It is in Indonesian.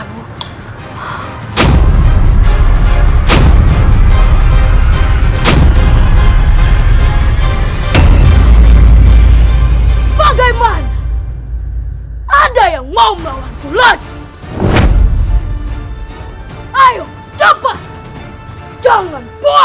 aku akan mengucapkan kepadamu